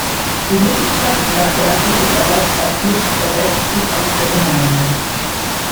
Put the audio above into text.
Die Mitgliedschaft war erblich und erlosch auch nicht bei Wegzug aus der Gemeinde.